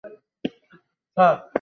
বিল্বন থাকিলে ভালো হইত।